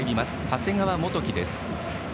長谷川元希です。